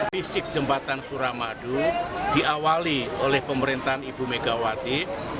fisik jembatan suramadu diawali oleh pemerintahan ibu megawati